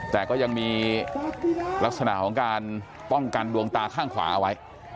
แต่ก็ยังมีลักษณะของการป้องกันดวงตาข้างขวาเอาไว้